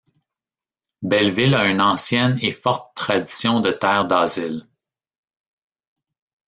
Belleville a une ancienne et forte tradition de terre d'asile.